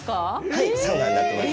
はい、サウナになってます。